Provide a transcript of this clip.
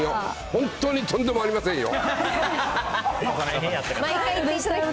本当にとんでもありませんよ。